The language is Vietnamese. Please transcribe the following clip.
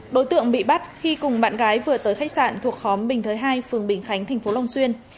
đối tượng bị bắt khi cùng bạn gái vừa tới khách sạn thuộc khóm bình thới hai phường bình khánh thành phố long xuyên